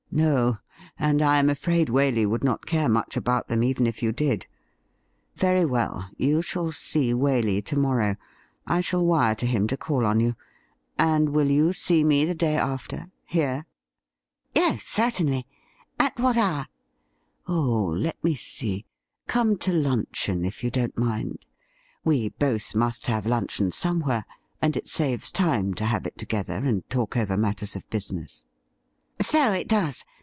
' No, and I am afraid Waley would not care much about them even if you did. Very well, you shall see Waley to morrow ; I shall wire to him to call on you — and will you see me the day after — here ?'' Yes, certainly. At what hour .?'' Oh, let me see — come to luncheon if you don't mind. We both must have luncheon somewhere, and it saves time to have it together and talk over matters of business.' ' So it does.